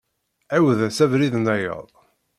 Ɛiwed-as abrid-nnayeḍ.